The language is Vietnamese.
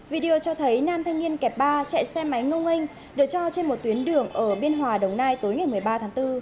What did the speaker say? video cho thấy nam thanh niên kẹp ba chạy xe máy ngonging được cho trên một tuyến đường ở biên hòa đồng nai tối ngày một mươi ba tháng bốn